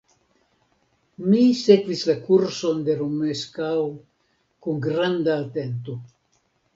Mi sekvis la kurson de Romeskaŭ kun granda atento.